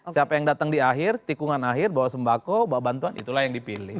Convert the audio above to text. siapa yang datang di akhir tikungan akhir bawa sembako bawa bantuan itulah yang dipilih